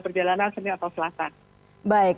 perjalanan senin atau selatan baik